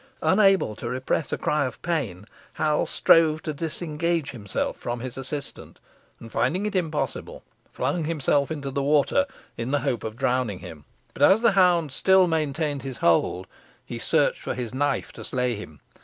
Unable to repress a cry of pain, Hal strove to disengage himself from his assailant, and, finding it impossible, flung himself into the water in the hope of drowning him, but, as the hound still maintained his hold, he searched for his knife to slay him.